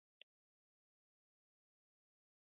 سمندر نه شتون د افغانستان د اقتصادي منابعو ارزښت زیاتوي.